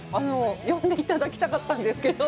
呼んでいただきたかったんですけど。